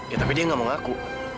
ya tapi dia gak mau ngaku